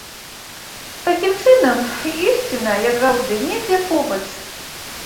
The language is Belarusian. Такім чынам, ісціна, як заўжды, недзе побач.